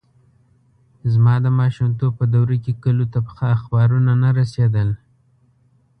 زما د ماشومتوب په دوره کې کلیو ته اخبارونه نه رسېدل.